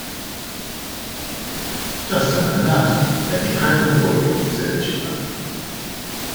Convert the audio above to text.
"Just another nut; let me crack them for you," said the chipmunk.